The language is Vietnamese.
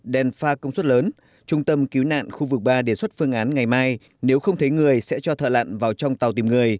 đèn pha công suất lớn trung tâm cứu nạn khu vực ba đề xuất phương án ngày mai nếu không thấy người sẽ cho thợ lặn vào trong tàu tìm người